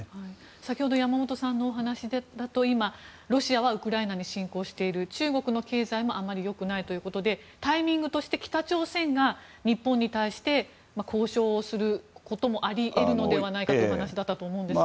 先ほど山本さんのお話だと、ロシアはウクライナに侵攻している中国の経済もあまり良くないということでタイミングとして北朝鮮が日本に対して、交渉をすることもあり得るのではないかというお話だったと思うんですが。